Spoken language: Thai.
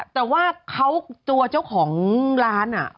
แต่ว่าตัวเจ้าของร้านน่ะ